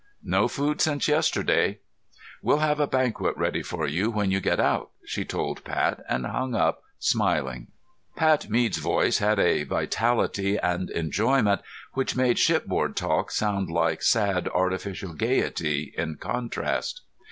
"No food since yesterday." "We'll have a banquet ready for you when you get out," she told Pat and hung up, smiling. Pat Mead's voice had a vitality and enjoyment which made shipboard talk sound like sad artificial gaiety in contrast.